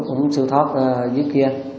cũng sưu thoát dưới kia